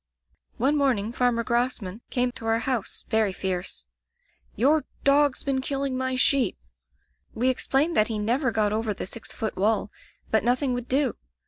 "One morning Farmer Grosman came to our house, very fierce: 'Your dog's been killing my sheep.' We explained that he never got over the six foot wall, but nothing would do.